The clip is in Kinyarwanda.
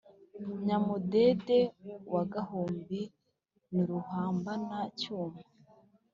Nyamudede wa Gahumbi ni Ruhambana-cyuma